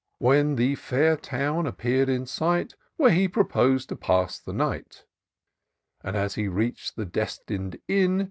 When the fair town appear'd in sight. Where he propos'd to pass the night ; But as he reach'd the destin'd inn.